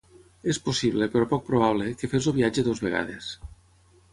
És possible, però poc probable, que fes el viatge dues vegades.